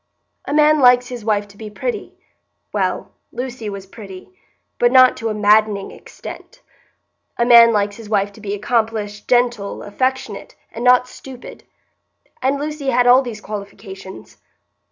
A man likes his wife to be pretty; well, Lucy was pretty, but not to a maddening extent. A man likes his wife to be accomplished, gentle, affectionate, and not stupid; and Lucy had all these qualifications.